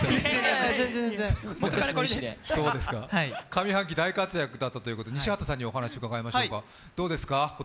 上半期大活躍だったということで西畑さんにお話伺いましょうか。